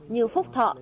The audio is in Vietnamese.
như phúc thọ